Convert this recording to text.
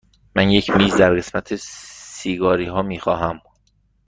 من یک میز در قسمت سیگاری ها می خواهم.